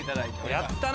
やったな！